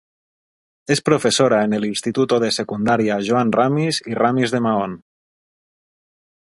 Es profesora en el instituto de Secundaria Joan Ramis i Ramis de Mahón.